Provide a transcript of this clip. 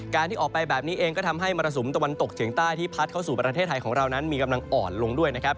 ที่ออกไปแบบนี้เองก็ทำให้มรสุมตะวันตกเฉียงใต้ที่พัดเข้าสู่ประเทศไทยของเรานั้นมีกำลังอ่อนลงด้วยนะครับ